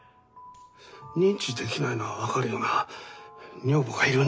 認知できないのは分かるよな女房がいるんだから。